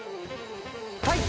はい！